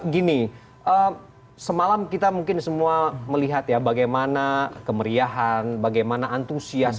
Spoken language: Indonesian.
gini semalam kita mungkin semua melihat ya bagaimana kemeriahan bagaimana antusias